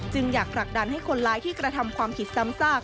อยากผลักดันให้คนร้ายที่กระทำความผิดซ้ำซาก